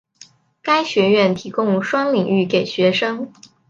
该学院提供双领域给学生。